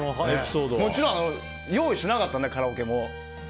もちろん用意してなかったのでカラオケも。